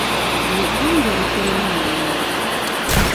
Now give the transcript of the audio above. Ly'eggwanga erituliraanye.